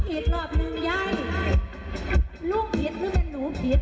อีทรอบหนึ่งใยลูกอีทหรือเป็นหนูอีท